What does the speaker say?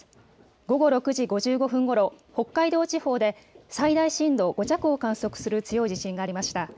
午後６時５５分ごろ、北海道地方で最大震度５弱を観測する強い地震がありました。